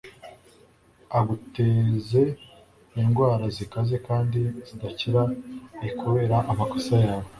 aguteze indwara zikaze kandi zidakira lkubera amakosa yawe